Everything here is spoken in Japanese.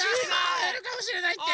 あえるかもしれないって。